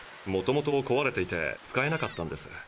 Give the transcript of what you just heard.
もともとこわれていて使えなかったんです。